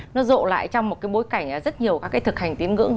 nó rộ lại trong một cái bối cảnh rất nhiều các cái thực hành tiếng ngữ